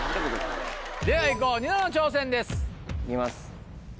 ではいこうニノの挑戦です。いきます。